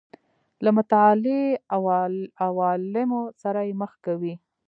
له متعالي عوالمو سره یې مخ کوي.